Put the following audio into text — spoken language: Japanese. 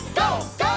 ＧＯ！